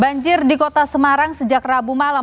banjir di kota semarang sejak rabu malam